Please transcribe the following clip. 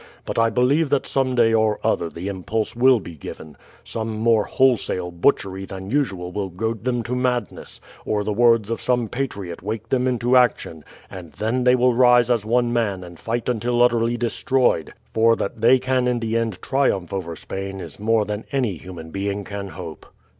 But I believe that some day or other the impulse will be given some more wholesale butchery than usual will goad them to madness, or the words of some patriot wake them into action, and then they will rise as one man and fight until utterly destroyed, for that they can in the end triumph over Spain is more than any human being can hope."